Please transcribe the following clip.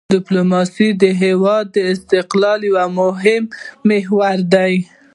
ډیپلوماسي د هېواد د استقلال یو مهم محور دی.